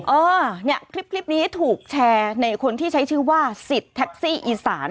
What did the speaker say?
เออเนี่ยคลิปนี้ถูกแชร์ในคนที่ใช้ชื่อว่าสิทธิ์แท็กซี่อีสาน